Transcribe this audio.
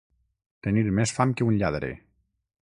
Tenir més fam que un lladre.